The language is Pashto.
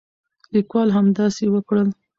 لیکوال همداسې وکړل.